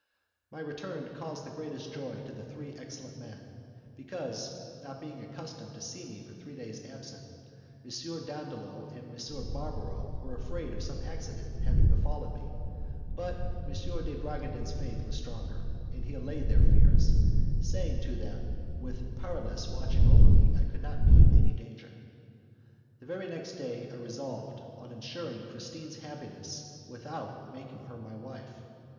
My return caused the greatest joy to the three excellent men, because, not being accustomed to see me three days absent, M. Dandolo and M. Barbaro were afraid of some accident having befallen me; but M. de Bragadin's faith was stronger, and he allayed their fears, saying to them that, with Paralis watching over me, I could not be in any danger. The very next day I resolved on insuring Christine's happiness without making her my wife.